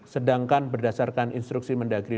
sedangkan berdasarkan instruksi mendagri